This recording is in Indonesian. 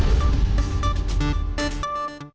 tetap di layak demokrasi